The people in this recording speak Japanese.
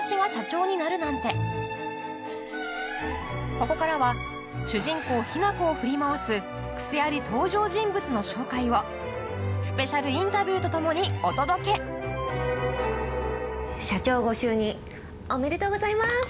ここからは主人公雛子を振り回すクセあり登場人物の紹介をスペシャルインタビューとともにお届け社長ご就任おめでとうございます！